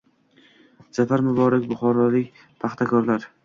Zafar muborak, buxorolik paxtakorlarng